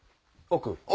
奥？